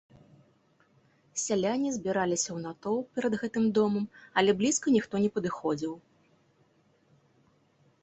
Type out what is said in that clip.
Сяляне збіраліся ў натоўп перад гэтым домам, але блізка ніхто не падыходзіў.